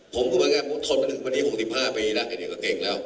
ผมก็บอกเงี่ยทนหนึ่งปี๖๕ปีละเด็กก็เก่งแล้ว